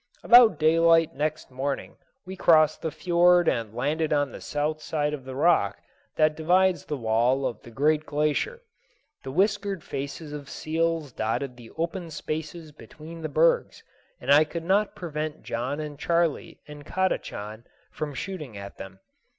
About daylight next morning we crossed the fiord and landed on the south side of the rock that divides the wall of the great glacier. The whiskered faces of seals dotted the open spaces between the bergs, and I could not prevent John and Charley and Kadachan from shooting at them.